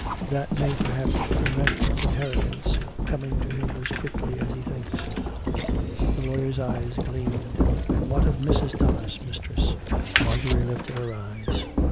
" That may perhaps prevent his inheritance coming to him as quickly as he thinks." The lawyer's eyes gleamed. " And what of Mrs. Thomas, mistress ?" Marjorie lifted her eyes.